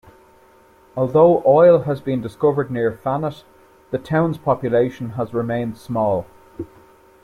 Although oil has been discovered near Fannett, the town's population has remained small.